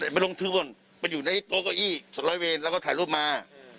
ไปลงทืบวนไปอยู่ในโต๊ะเก้าอี้สดร้อยเวรแล้วก็ถ่ายรูปมา